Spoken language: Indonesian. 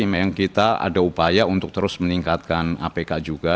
memang kita ada upaya untuk terus meningkatkan apk juga